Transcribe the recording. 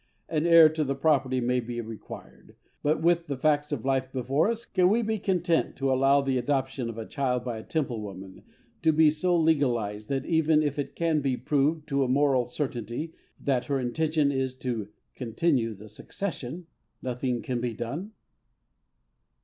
An heir to the property may be required; but with the facts of life before us, can we be content to allow the adoption of a child by a Temple woman to be so legalised that even if it can be proved to a moral certainty that her intention is to "continue the succession," nothing can be done?